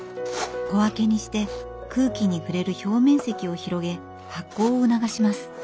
小分けにして空気に触れる表面積を広げ発酵を促します。